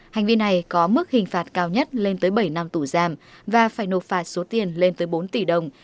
hành vi này có mức hình phạt cao nhất lên tới bảy năm tù giam và phải nộp phạt số tiền lên tới bốn tỷ đồng